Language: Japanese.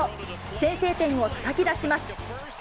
先制点をたたき出します。